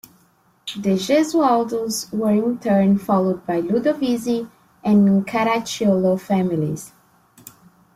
The Gesualdos were in turn followed by the Ludovisi and the Caracciolo families.